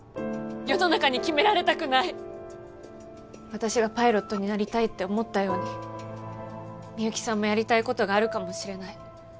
私がパイロットになりたいって思ったように美幸さんもやりたいことがあるかもしれない。